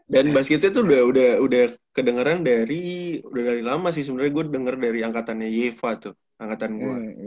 dan basketnya tuh udah kedengeran dari udah dari lama sih sebenernya gue denger dari angkatannya yeva tuh angkatan gue